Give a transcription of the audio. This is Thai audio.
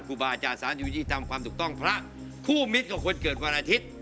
ครูบาอาจารย์สารอยู่ยี่ตามความถูกต้องพระคู่มิตรกับคนเกิดวันอาทิตย์